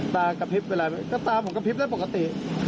กระพริบเวลาไหมก็ตาผมกระพริบได้ปกติ